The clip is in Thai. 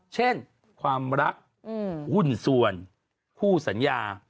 เช่นความรักหุ้นส่วนคู่สัญญา